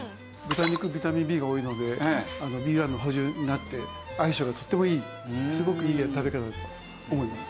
豚肉ビタミンＢが多いのでＢ１の補充になって相性がとってもいいすごくいい食べ方だと思います。